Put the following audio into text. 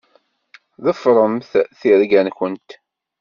Ḍefṛemt tirga-nkent.